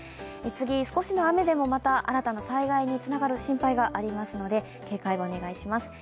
次、少しの雨でもまた新たな災害につながる心配がありますので警戒をお願いします。